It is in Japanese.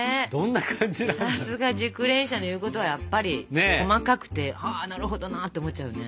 さすが熟練者の言うことはやっぱり細かくて「はなるほどな」って思っちゃうよね。